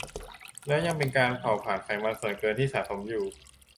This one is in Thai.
แล้วยังเป็นการเผาผลาญไขมันส่วนเกินที่สะสมอยู่